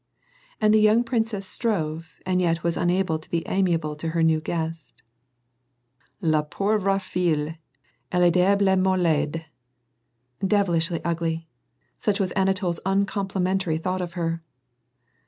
And the young princess strove, and yet was unable to be amiable to her new guest. " La pauvre fille ! EUe est diableinent laide !''— Devilishly ugly ! Such was Anatol's uncomplimentary thought of her.